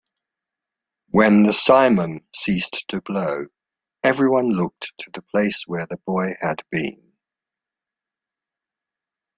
When the simum ceased to blow, everyone looked to the place where the boy had been.